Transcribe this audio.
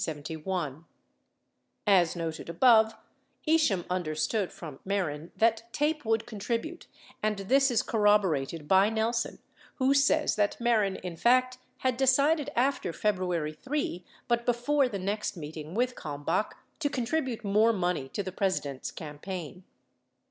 69 As noted above, Isham understood from Mehren that TAPE would contribute and this is corroborated by Nelson who says that Mehren in fact had decided after February 3 but before the next meeting with Kalmbach to contribute more money to the President's campaign.